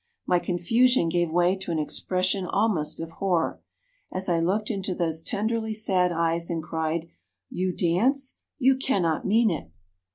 "My confusion gave way to an expression almost of horror, as I looked into those tenderly sad eyes and cried, 'You dance! You cannot mean it!'